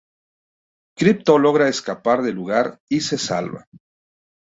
Crypto logra escapar del lugar y se salva.